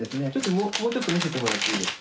もうちょっと見せてもらっていいですか。